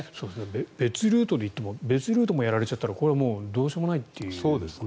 別ルートで行っても別ルートもやられちゃったらどうしようもないってことですよね。